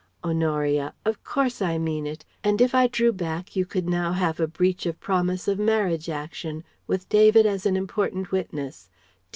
Honoria: "Of course I mean it! And if I drew back you could now have a breach of promise of marriage action, with David as an important witness.